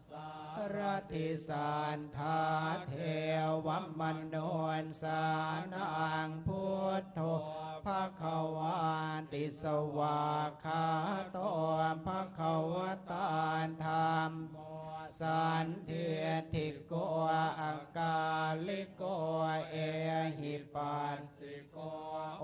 สระทิสันทะเทววัมม่านวันสานังพุทธโภภาควาติสวะขาตโธภาควตาธังสันเทธิกฯฒอักษะศฆริกฯศภาศศษศศศศศศศ